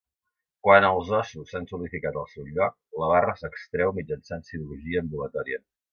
Quan els ossos s'han solidificat al seu lloc, la barra s'extreu mitjançant cirurgia ambulatòria.